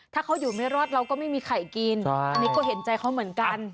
ถ้าเขาอยู่ไม่รอดเราก็ไม่มีไข่กินอันนี้ก็เห็นใจเขาเหมือนกัน